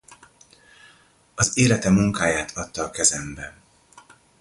Az élete munkáját adta a kezembe.